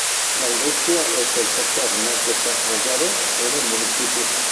La industria es el sector más desarrollado en el municipio.